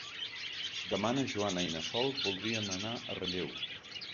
Demà na Joana i na Sol voldrien anar a Relleu.